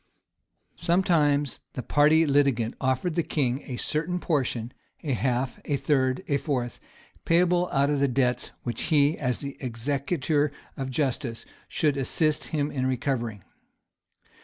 [] Sometimes the party litigant offered the king a certain portion, a half, a third, a fourth, payable out of the debts which he, as the executor of justice, should assist him in recovering.